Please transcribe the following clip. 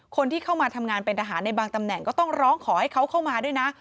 คนที่เข้ามาทำงานเป็นทหารในบางตำแหน่งก็ต้องร้องขอให้เขาเข้ามาด้วยนะ